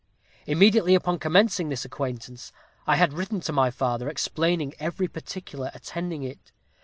"Immediately upon commencing this acquaintance, I had written to my father, explaining every particular attending it.